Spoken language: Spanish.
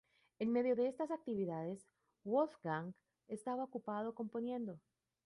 En medio de estas actividades, Wolfgang estaba ocupado componiendo.